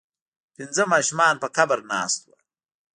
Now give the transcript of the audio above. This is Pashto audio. پنځه ماشومان په قبر ناست وو.